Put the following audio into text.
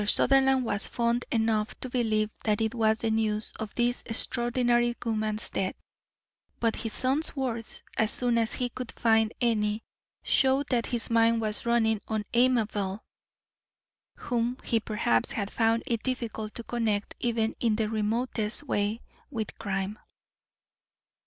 Sutherland was fond enough to believe that it was the news of this extraordinary woman's death. But his son's words, as soon as he could find any, showed that his mind was running on Amabel, whom he perhaps had found it difficult to connect even in the remotest way with crime.